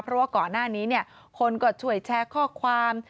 เพราะว่าก่อนหน้านี้คนก็ช่วยแชร์ข้อความ